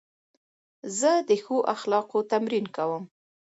زه د ښو اخلاقو تمرین کوم.